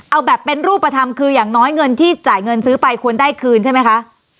เอาแบบเป็นรูปธรรมคืออย่างน้อยเงินที่จ่ายเงินซื้อไปควรได้คืนใช่ไหมคะ